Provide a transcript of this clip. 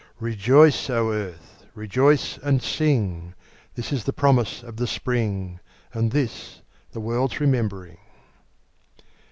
Rejoice, O Earth! Rejoice and sing! This is the promise of the Spring, And this the world's remembering.